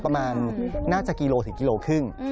ประมาณน่าจะกิโลถึงกิโลครึ่ง